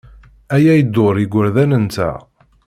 Aya iḍurr igerdan-nteɣ.